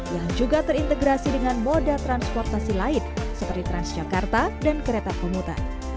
yang juga terintegrasi dengan moda transportasi lain seperti transjakarta dan kereta pemutan